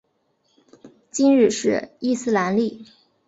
今日是伊斯兰历。